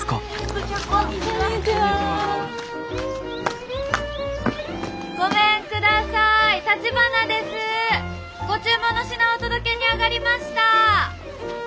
ご注文の品お届けにあがりました。